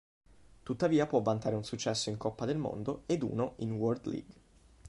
Tuttavia può vantare un successo in Coppa del Mondo ed uno in World League.